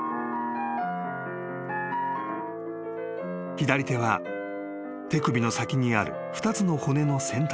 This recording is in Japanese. ［左手は手首の先にある２つの骨の先端と］